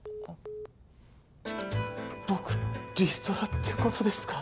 僕リストラってことですか